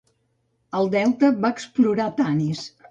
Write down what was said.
Al delta, va explorar Tanis.